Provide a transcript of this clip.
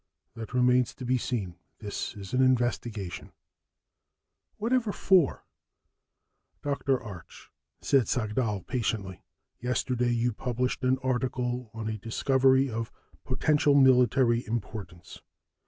"That remains to be seen. This is an investigation." "Whatever for?" "Dr. Arch," said Sagdahl patiently, "yesterday you published an article on a discovery of potential military importance.